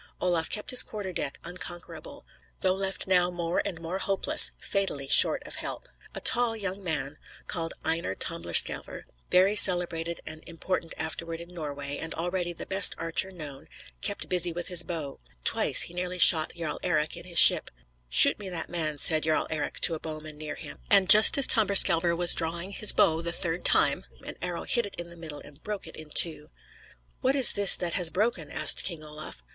Olaf kept his quarter deck; unconquerable, though left now more and more hopeless, fatally short of help. A tall young man, called Einar Tamberskelver, very celebrated and important afterward in Norway, and already the best archer known, kept busy with his bow. Twice he nearly shot Jarl Eric in his ship. "Shoot me that man," said Jarl Eric to a bowman near him; and, just as Tamberskelver was drawing his bow the third time, an arrow hit it in the middle and broke it in two. "What is this that has broken?" asked King Olaf.